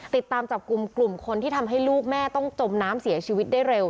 ติดตามจับกลุ่มกลุ่มคนที่ทำให้ลูกแม่ต้องจมน้ำเสียชีวิตได้เร็ว